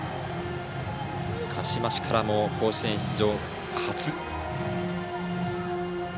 鹿嶋市からの甲子園出場、初。